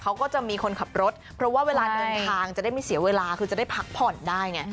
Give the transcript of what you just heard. เขาก็จะมีคนขับรถเพราะว่าเวลาเดินทางจะได้ไม่เสียเวลาคือจะได้พักผ่อนได้ไง